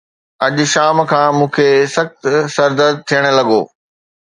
اڄ شام کان مون کي سخت سر درد ٿيڻ لڳو